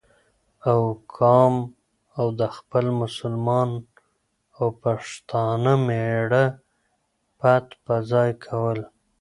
او کام او د خپل مسلمان او پښتانه مېـړه پت په ځای کول،